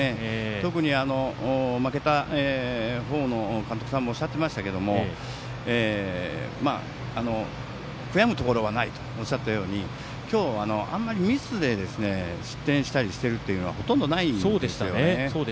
特に負けた方の監督さんもおっしゃってましたが悔やむところはないとおっしゃったように今日は、あんまりミスで失点したりしているというのがほとんどないんですね。